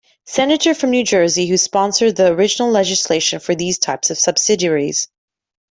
Senator from New Jersey who sponsored the original legislation for these types of subsidiaries.